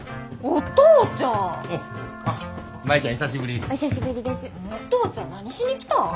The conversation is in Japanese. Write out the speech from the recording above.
お父ちゃん何しに来たん？